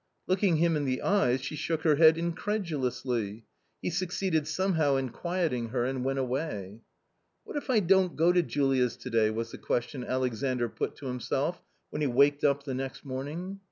Looking him in the eyes, she shook her head incredu lously. He succeeded somehow in quieting her and went away. " What if I don't go to Julia's to day ?" was the question Alexandr put to himself when he waked up the next morn ing.